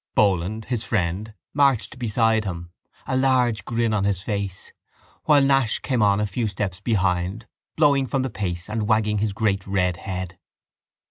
Boland, his friend, marched beside him, a large grin on his face, while Nash came on a few steps behind, blowing from the pace and wagging his great red head.